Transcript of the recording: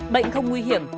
bệnh không nguy hiểm